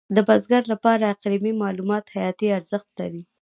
د بزګر لپاره اقلیمي معلومات حیاتي ارزښت لري.